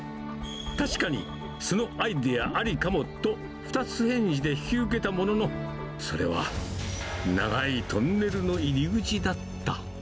確かに、そのアイデアありかもと、二つ返事で引き受けたものの、それは長いトンネルの入り口だった。